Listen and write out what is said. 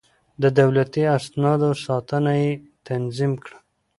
د دولتي اسنادو ساتنه يې تنظيم کړه.